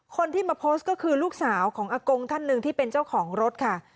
คนที่มาโพสต์ก็คือลูกสาวของอากงท่านหนึ่งที่เป็นเจ้าของรถค่ะ